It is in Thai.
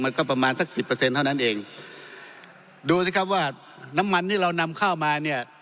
มันก็ประมาณสักสิบเปอร์เซ็นต์เท่านั้นเองดูสิครับว่าน้ำมันที่เรานำเข้ามาเนี่ย